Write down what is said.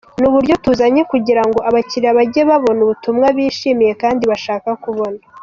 Ni uburyo tuzanye kugira ngo abakiliya bajye babona ubutumwa bishimiye kandi bashaka kubona.